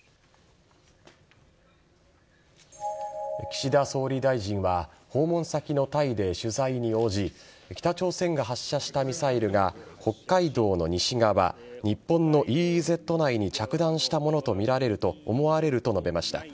岸田総理大臣は訪問先のタイで取材に応じ北朝鮮が発射したミサイルが北海道の西側日本のＥＥＺ内に着弾したものとみられると思われると述べました。